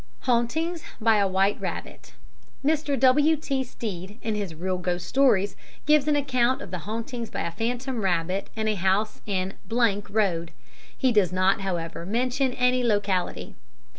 Hauntings by a White Rabbit Mr. W.T. Stead, in his Real Ghost Stories, gives an account of the hauntings by a phantom rabbit in a house in Road. He does not, however, mention any locality.